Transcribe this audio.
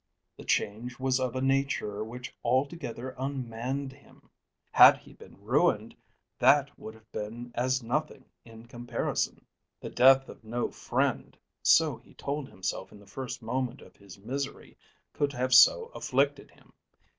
The change was of a nature which altogether unmanned him. Had he been ruined that would have been as nothing in comparison. The death of no friend, so he told himself in the first moment of his misery, could have so afflicted him.